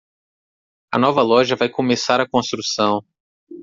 A nova loja vai começar a construção.